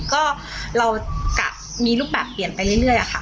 ก็เรากะมีรูปแบบเปลี่ยนไปเรื่อยค่ะ